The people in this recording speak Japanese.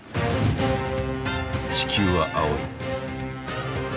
地球は青い。